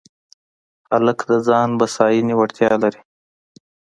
هلک د ځان بساینې وړتیا لري.